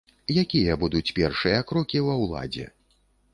Якія будуць першыя крокі ва ўладзе?